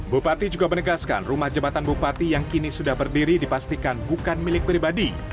bupati juga menegaskan rumah jabatan bupati yang kini sudah berdiri dipastikan bukan milik pribadi